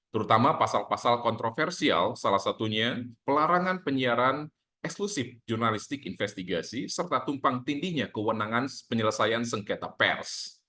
terutama pasal pasal kontroversial salah satunya pelarangan penyiaran eksklusif jurnalistik investigasi serta tumpang tindihnya kewenangan penyelesaian sengketa pers